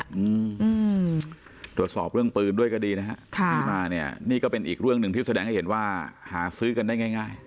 อืมตรวจสอบเรื่องปืนด้วยก็ดีนะฮะค่ะที่มาเนี่ยนี่ก็เป็นอีกเรื่องหนึ่งที่แสดงให้เห็นว่าหาซื้อกันได้ง่ายง่าย